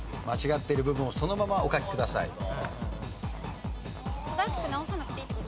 間違っている部分をそのままお書きください。